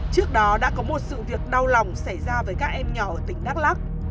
trước đó đã có một sự việc đau lòng xảy ra với các em nhỏ ở tỉnh đắk lắc